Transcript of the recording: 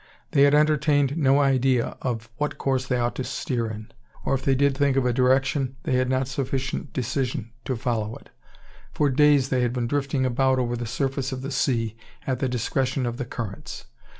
They had entertained no idea of what course they ought to steer in; or if they did think of a direction, they had not sufficient decision to follow it. For days they had been drifting about over the surface of the sea, at the discretion of the currents.